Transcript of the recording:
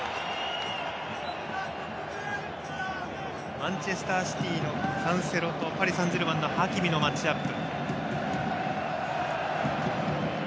マンチェスター・シティーのカンセロとパリサンジェルマンのハキミのマッチアップ。